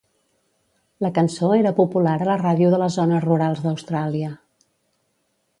La cançó era popular a la ràdio de les zones rurals d'Austràlia.